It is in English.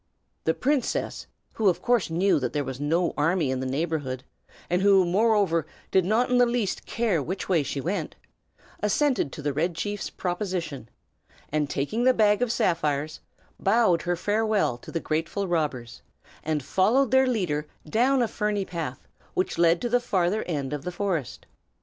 The princess, who of course knew that there was no army in the neighborhood, and who moreover did not in the least care which way she went, assented to the Red Chief's proposition, and taking the bag of sapphires, bowed her farewell to the grateful robbers, and followed their leader down a ferny path which led to the farther end of the forest.